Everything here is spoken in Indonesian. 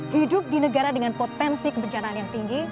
hidup di negara dengan potensi kebencanaan yang tinggi